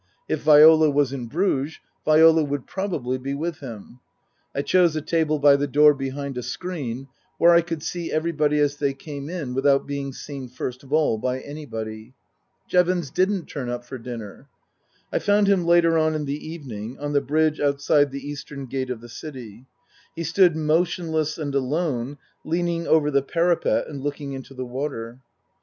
If Viola was in Bruges, Viola would probably be with him. I chose a table by the door behind a screen, where I could see everybody as they came in without being seen first of all by anybody. Jevons didn't turn up for dinner. I found him later on in the evening, on the bridge out side the eastern gate of the city. He stood motionless and alone, leaning over the parapet and looking into the water.